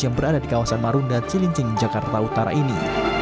yang berada di kawasan marunda cilincing jakarta utara ini